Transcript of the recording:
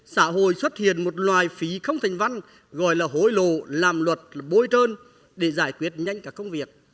xã hội xuất hiện một loài phí không thành văn gọi là hối lộ làm luật là bôi trơn để giải quyết nhanh các công việc